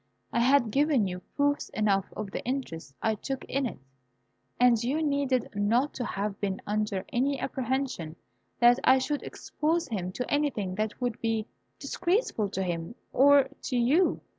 I had given you proofs enough of the interest I took in it, and you needed not to have been under any apprehension that I should expose him to anything that would be disgraceful to himself or to you.